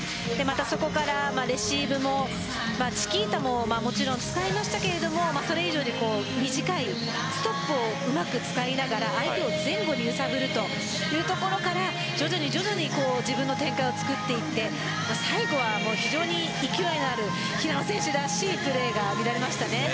そこからレシーブもチキータももちろん使いましたけどもそれ以上に短いストップをうまく使いながら相手を前後に揺さぶるというところから徐々に徐々に自分の展開をつくっていって最後は非常に勢いのある平野選手らしいプレーが見られました。